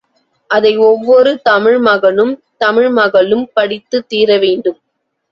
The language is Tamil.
அதை ஒவ்வொரு தமிழ் மகனும் தமிழ்மகளும் படித்துத் தீரவேண்டும்.